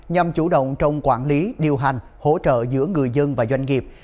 nhằm chủ động trong quản lý điều hành hỗ trợ giữa người dân và doanh nghiệp